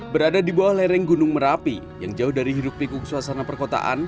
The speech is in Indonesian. berada di bawah lereng gunung merapi yang jauh dari hiruk pikuk suasana perkotaan